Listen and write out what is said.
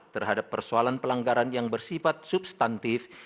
terhadap persoalan pelanggaran yang bersifat substantif